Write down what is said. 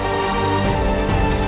tuh cantik banget